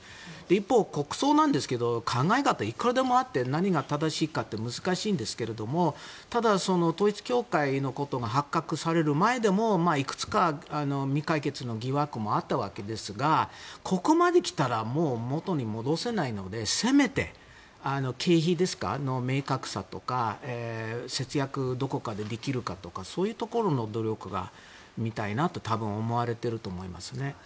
一方、国葬ですが考え方はいくらでもあって何が正しいかって難しいんですがただ、統一教会のことが発覚される前でもいくつか未解決の疑惑もあったわけですがここまで来たら元に戻せないのでせめて経費の明確さとか節約、どこかでできるかとかそういうところの努力が見たいなと多分思われていると思いますね。